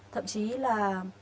thậm chí là